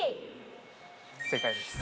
正解です。